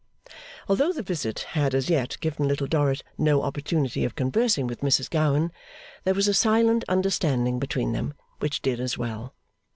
Although the visit had as yet given Little Dorrit no opportunity of conversing with Mrs Gowan, there was a silent understanding between them, which did as well.